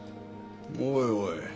おいおい。